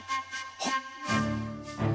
はっ。